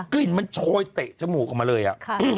กลิ่นมันโชยเตะจมูกออกมาเลยอะ